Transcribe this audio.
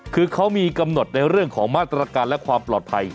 คือเขามีกำหนดในเรื่องของมาตรการและความปลอดภัย